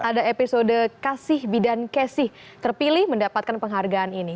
ada episode kasih bidan kesih terpilih mendapatkan penghargaan ini